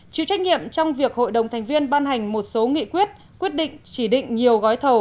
chịu trách nhiệm trong việc hội đồng thành viên ban hành một số nghị quyết quyết định chỉ định nhiều gói thầu